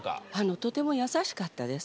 とても優しかったです。